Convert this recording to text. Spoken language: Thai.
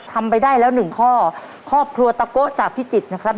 ทำไปได้แล้วหนึ่งข้อครอบครัวตะโกะจากพิจิตรนะครับ